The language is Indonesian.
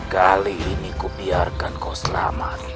kali ini ku biarkan kau selamat